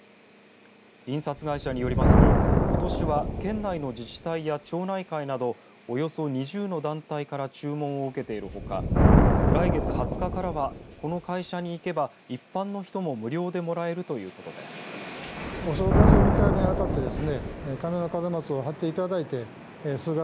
印刷会社によりますとことしは県内の自治体や町内会などおよそ２０の団体から注文を受けているほか来月２０日からはこの会社に行けば一般の人も無料でもらえるということです。